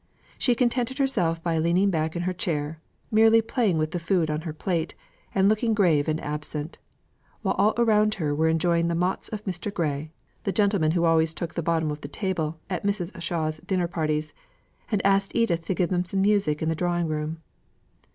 She contented herself by leaning back in her chair, merely playing with the food on her plate, and looking grave and absent; while all around her were enjoying the mots of Mr. Grey, the gentleman who always took the bottom of the table at Mrs. Shaw's dinner parties, and asked Edith to give them some music in the drawing room.